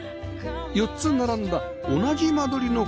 ４つ並んだ同じ間取りの個室